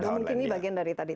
nah mungkin ini bagian dari tadi